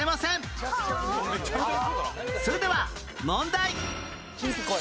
それでは問題